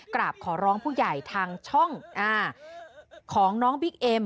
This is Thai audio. กราบขอร้องผู้ใหญ่ทางช่องของน้องบิ๊กเอ็ม